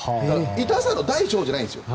痛さの大小じゃないんですよ。